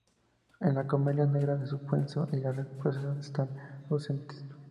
En la comedia negra el suspenso y la sorpresa están ausentes.